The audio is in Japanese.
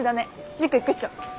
塾行くっしょ。